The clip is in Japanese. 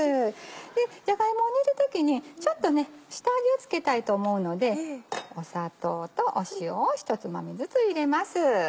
でじゃが芋を煮る時にちょっと下味を付けたいと思うので砂糖と塩を一つまみずつ入れます。